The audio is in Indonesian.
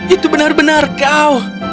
itu benar benar kau